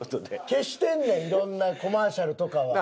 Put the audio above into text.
消してんねんいろんなコマーシャルとかは。